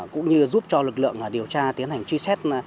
cũng như giúp cho lực lượng điều tra tiến hành truy xét